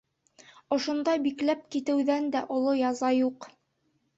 Ошонда бикләп китеүҙән дә оло яза юҡ.